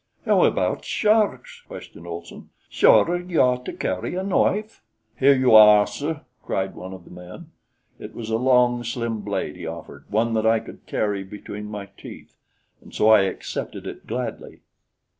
"How about sharks?" queried Olson. "Sure, you ought to carry a knoife." "Here you are, sir," cried one of the men. It was a long slim blade he offered one that I could carry between my teeth and so I accepted it gladly.